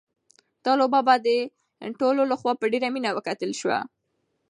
دا لوبه د ټولو لخوا په ډېره مینه وکتل شوه.